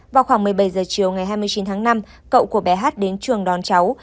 vào khoảng một mươi bảy h chiều ngày hai mươi chín tháng năm cậu của bé hát đến trường đón cháu